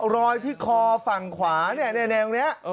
รอยที่คอฝั่งขวาเนี่ยแนวนี้